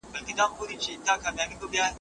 په پوهنتونونو کي باید محصلین له تعصب څخه لیري وي.